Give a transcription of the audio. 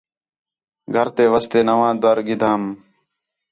گھر تے واسطے نَواں دَر گِھدم